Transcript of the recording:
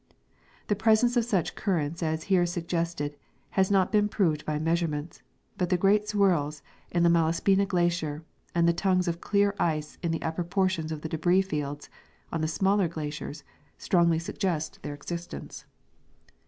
The presence of such currents as here suggested has not been proved by measurements, but the great swirls in the Malasj^ina glacier and the tongues of clear ice in the upper portions of the debris fields on the smaller glaciers strongly suggest their existence.